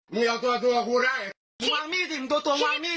แล้วก็บอกว่า